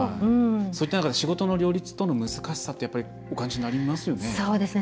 そういった中で仕事の両立との難しさってやっぱりお感じになりますよね？